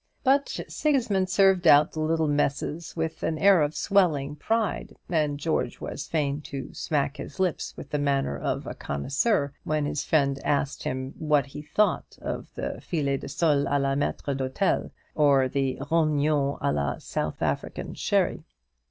But Sigismund served out the little messes with an air of swelling pride, and George was fain to smack his lips with the manner of a connoisseur when his friend asked him what he thought of the filets de sole à la maître d'hôtel, or the rognons à la South African sherry.